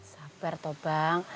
sabar toh bang